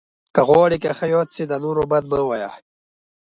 که غواړې ښه یاد سې، د نور بد مه یاد وه.